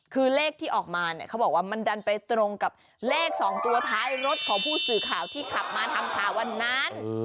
คือเลขที่ออกมาเนี่ยเขาบอกว่ามันดันไปตรงกับเลข๒ตัวท้ายรถของผู้สื่อข่าวที่ขับมาทำข่าววันนั้น